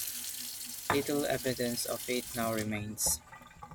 Little evidence of it now remains.